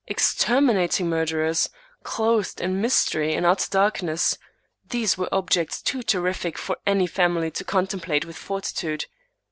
exterminating murderers! — clothed in mystery and utter darkness — ^these were objects too terrific for any family to contemplate with fortitude.